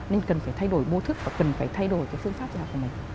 nên cần phải thay đổi mô thức và cần phải thay đổi cái phương pháp giáo của mình